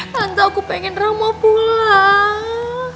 tante aku pengen rama pulang